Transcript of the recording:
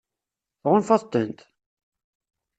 Tɣunfaḍ-tent?